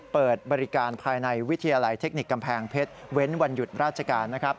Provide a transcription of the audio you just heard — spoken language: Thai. เปิดบริการภายในวิทยาลัยเทคนิคกำแพงเพชรเว้นวันหยุดราชการนะครับ